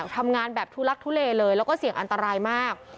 ทำงานแบบทุลักทุเลเลยแล้วก็เสี่ยงอันตรายมาก